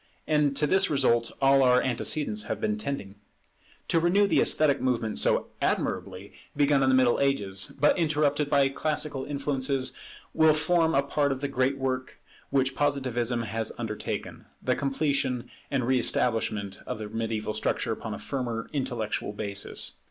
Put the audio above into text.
And to this result all our antecedents have been tending. To renew the esthetic movement so admirably begun in the Middle Ages, but interrupted by classical influences, will form a part of the great work which Positivism has undertaken, the completion and re establishment of the Mediaeval structure upon a firmer intellectual basis.